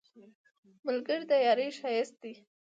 ملګری د یارۍ ښایست دی